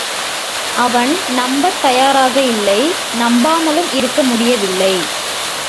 அவன் நம்பத் தயாராக இல்லை நம்பாமலும் இருக்க முடியவில்லை.